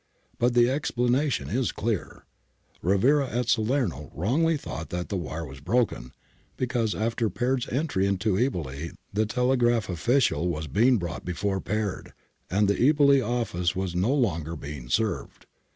But the explanation is clear : Rivera at Salerno wrongly thought that the wire was broken, because after Peard's entry into Eboli the telegraph official was being brought before Peard, and the Eboli office was no longer being served.